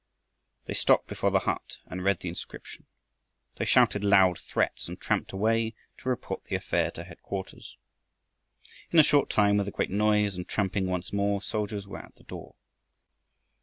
They stopped before the hut and read the inscription. They shouted loud threats and tramped away to report the affair to headquarters. In a short time, with a great noise and tramping, once more soldiers were at the door.